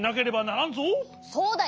そうだよ。